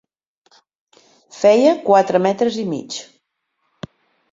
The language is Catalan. Feia quatre metres i mig.